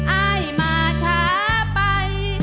อ้ายมาช้าไป